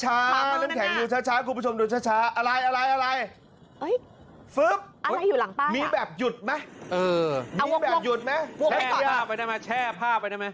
เห็นป้ายขาวดูช้าอะไรอะไรอะไรมีแบบหยุดไหมแช่ผ้าไปได้ไหม